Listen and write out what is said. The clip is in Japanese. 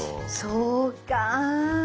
そうか。